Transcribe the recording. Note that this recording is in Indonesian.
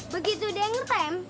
begitu dia ngerem